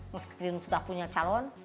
meskipun sudah punya calon